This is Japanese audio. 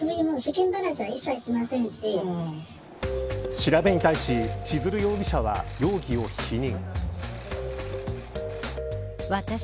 調べに対し千鶴容疑者は容疑を否認。